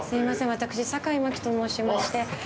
私坂井真紀と申しまして。